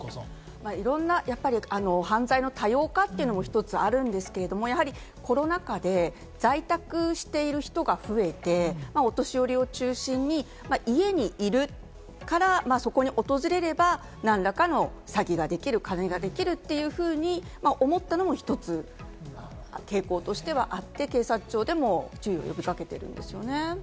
いろんな犯罪の多様化というのも１つあるんですけれども、やはりコロナ禍で在宅している人が増えて、お年寄りを中心に家にいるからそこに訪れれば、何らかの詐欺ができる、金ができるというふうに思ったのも１つ傾向としてはあって、警察庁でも注意を呼び掛けているんですよね。